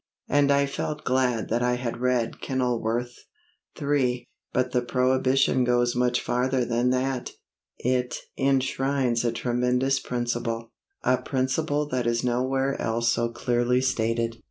And I felt glad that I had read Kenilworth. III But the prohibition goes much farther than that. It enshrines a tremendous principle, a principle that is nowhere else so clearly stated.